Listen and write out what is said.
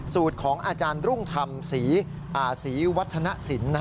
สูตรของอาจารย์รุ่งทำสีวัฒนะสิน